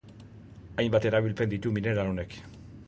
Hainbat erabilpen ditu mineral honek.